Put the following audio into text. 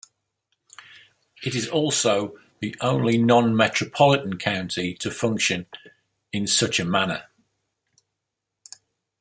It is also the only non-metropolitan county to function in such a manner.